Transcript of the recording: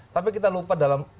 tapi kita lupa dalam